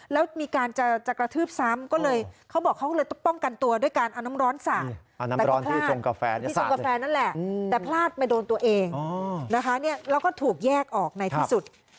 แต่พลาดไปโดนตัวเองแล้วก็ถูกแยกออกในที่สุด